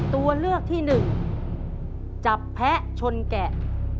ตัวเลือกที่หนึ่งจับแพะชนแกะ